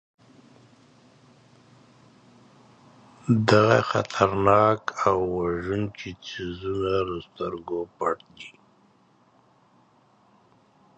دغه خطرناک او وژونکي څیزونه له سترګو پټ دي.